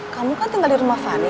kamu kan tinggal di rumah fani